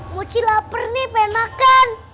muci lapar nih pengen makan